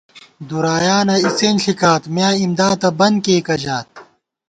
دُرایانہ اِڅِن ݪِکات، میاں اِمدادہ بن کېئیکہ ژات